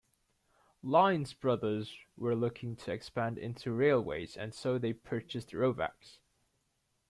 Lines Brothers were looking to expand into railways and so they purchased Rovex.